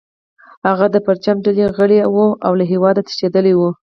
هغه د پرچم ډلې غړی و او له هیواده تښتیدلی و